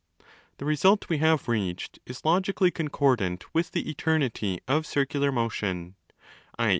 } The result we have reached is logically concordant with 338° μι the eternity of circular motion, i.